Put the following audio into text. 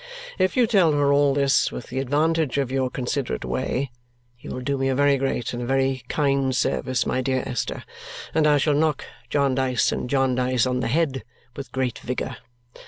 If you tell her all this with the advantage of your considerate way, you will do me a very great and a very kind service, my dear Esther; and I shall knock Jarndyce and Jarndyce on the head with greater vigour.